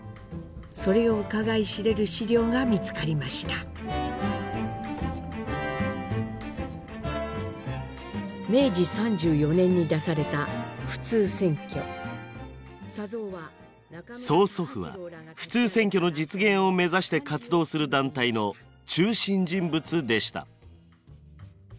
それをうかがい知れる資料が見つかりました明治３４年に出された普通選挙曽祖父は普通選挙の実現を目指して活動する団体の中心人物でした。